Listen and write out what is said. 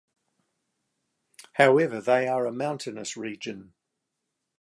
However, they are a mountainous region.